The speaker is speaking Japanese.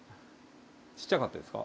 小っちゃかったですか？